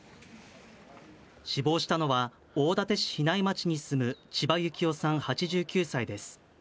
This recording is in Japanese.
死亡したのは、大館市比内町に住む千葉行雄さん８９歳です。